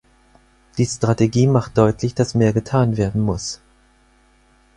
Die Strategie macht deutlich, dass mehr getan werden muss.